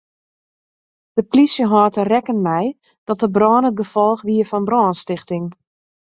De plysje hâldt der rekken mei dat de brân it gefolch wie fan brânstichting.